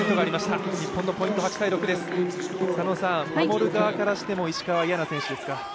守る側からしても石川は嫌な選手ですか？